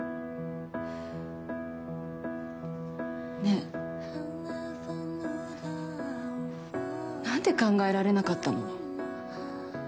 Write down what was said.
ねえ、何で考えられなかったの？